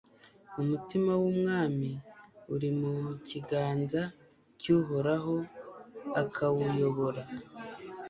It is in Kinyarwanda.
Umutima w’umwami uri mu kiganza cy’Uhoraho akawuyobora